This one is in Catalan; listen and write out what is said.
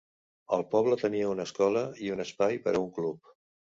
El poble tenia una escola i un espai per a un club.